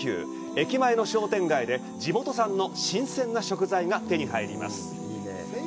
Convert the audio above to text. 駅前の商店街で地元産の新鮮な食材が手に入ります。